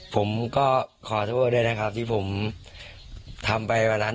ผมก็ขอโทษด้วยนะครับที่ผมทำไปวันนั้น